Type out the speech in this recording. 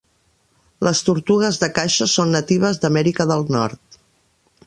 Les tortugues de caixa són natives d'Amèrica del Nord.